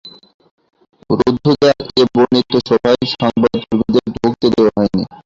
রুদ্ধদ্বার এ বর্ধিত সভায় সংবাদকর্মীদের ঢুকতে দেওয়া হয়নি।